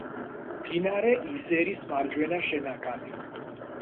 მდინარე იზერის მარჯვენა შენაკადი.